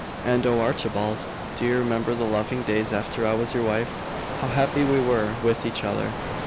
And, oh, Archibald! Do you remember the loving days after I was your wife how happy we were with each other?